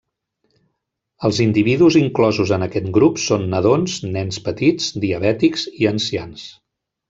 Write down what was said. Els individus inclosos en aquest grup són nadons, nens petits, diabètics i ancians.